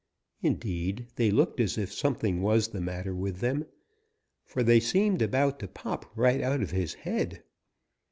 Indeed they looked as if something was the matter with them, for they seemed about to pop right out of his head.